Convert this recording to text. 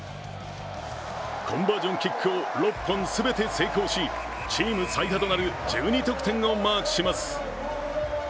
コンバージョンキックを６本全て成功し、チーム最多となる１２得点をマークします。